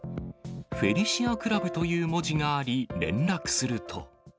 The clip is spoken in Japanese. フェリシアクラブという文字があり、連絡すると。